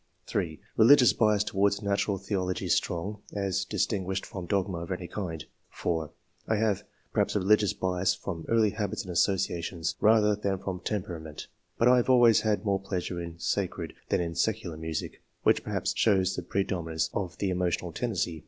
3. " Religious bias towards natural theology strong, as distinguished from dogma of any kind." 4. '^ I have, perhaps, a religious bias from early habits and associations, rather than from temperament ; but I have always had more pleasure in sacred than in secular music, which, perhaps, shows the pre dominance of the emotional tendency."